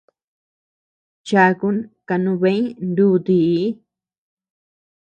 Chakun kanubeñ nuutii.